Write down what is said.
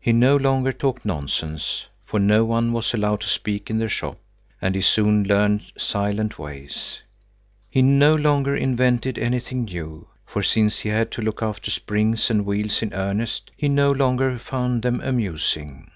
He no longer talked nonsense, for no one was allowed to speak in the shop, and he soon learned silent ways. He no longer invented anything new, for since he had to look after springs and wheels in earnest, he no longer found them amusing.